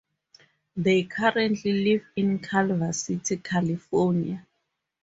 They currently live in Culver City, California.